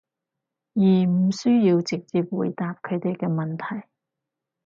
而唔需要直接回答佢哋嘅問題